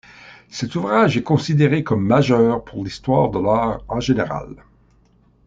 Cet ouvrage est considéré comme majeur pour l'histoire de l'art en général.